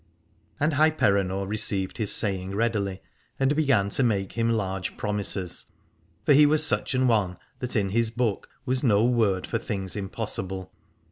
And Hyperenor received his saying readily, and began to make him large promises : for he was such an one that in his book was no word for things impossible.